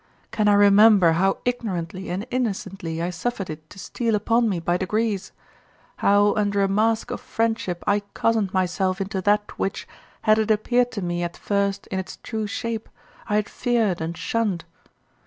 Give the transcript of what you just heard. Can I remember how ignorantly and innocently I suffered it to steal upon me by degrees; how under a mask of friendship I cozened myself into that which, had it appeared to me at first in its true shape, I had feared and shunned?